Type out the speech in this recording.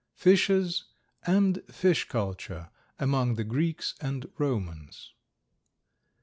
FISHES AND FISH CULTURE AMONG THE GREEKS AND ROMANS.